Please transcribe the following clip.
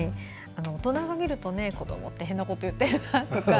大人から見ると子どもって変なことを言っているなと。